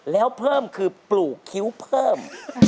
แล้วเพิ่มคือปลูกคิ้วเพิ่ม